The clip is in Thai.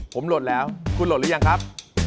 ผมโหลดแล้วคุณหลดหรือยังครับ